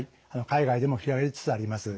海外でも広がりつつあります。